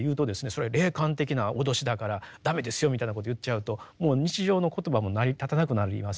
それは霊感的な脅しだから駄目ですよみたいなこと言っちゃうともう日常の言葉も成り立たなくなりますよね。